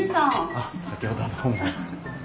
あっ先ほどはどうも。